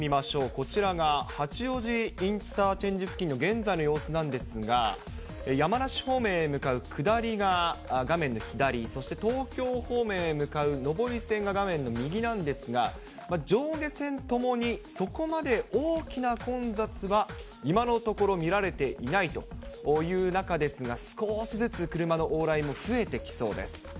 こちらが八王子インターチェンジ付近の現在の様子なんですが、山梨方面へ向かう下りが画面の左、そして、東京方面へ向かう上り線が画面の右なんですが、上下線ともに、そこまで大きな混雑は、今のところ見られていないという中ですが、少しずつ車の往来も増えてきそうです。